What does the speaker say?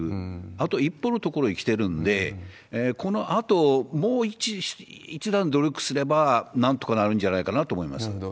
あと一歩のところに来てるんで、このあともう一段努力すれば、なんとかなるんじゃないかなと思いなるほど。